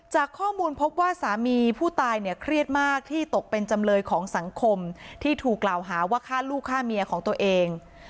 จากข้อมูลพบว่าสามีผู้ตายเนี่ยเครียดมากที่ตกเป็นจำเลยของสังคมที่ถูกกล่าวหาว่าฆ่าลูกฆ่าเมียของตัวเอง